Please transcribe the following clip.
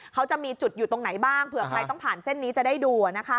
เขาจะมีจุดอยู่ตรงไหนบ้างเผื่อใครต้องผ่านเส้นนี้จะได้ดู